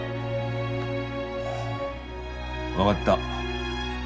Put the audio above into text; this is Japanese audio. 分がった。